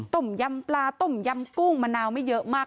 ต้มยำปลาต้มยำกุ้งมะนาวไม่เยอะมาก